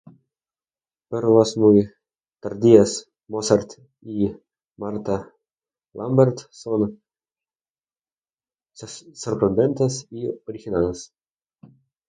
Pero las muy tardías 'Mozart' y 'Martha Lambert' son sorprendentes y originales.